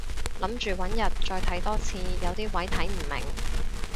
諗住搵日再睇多次，有啲位睇唔明